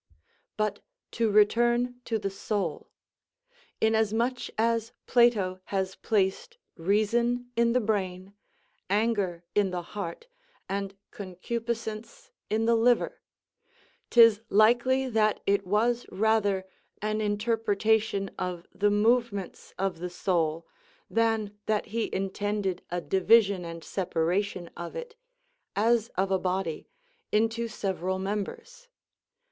But to return to the soul. Inasmuch as Plato has placed reason in the brain, anger in the heart, and concupiscence in the liver; 'tis likely that it was rather an interpretation of the movements of the soul, than that he intended a division and separation of it, as of a body, into several members.